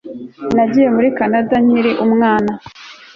Nagiye muri Kanada nkiri umwana